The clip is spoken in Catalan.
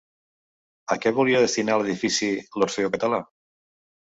A què volia destinar l'edifici l'Orfeó Català?